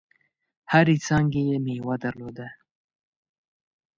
هرې څانګي یې مېوه درلوده .